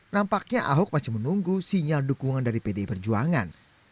nampaknya ahok masih menunggu sinyal dukungan dari pdi perjuangan